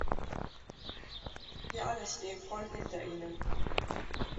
Wir alle stehen voll hinter Ihnen.